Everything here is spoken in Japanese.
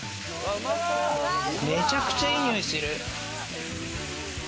めちゃくちゃいい匂いしてる！